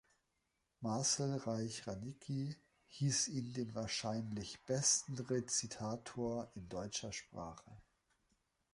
Marcel Reich-Ranicki hieß ihn den wahrscheinlich besten Rezitator in deutscher Sprache.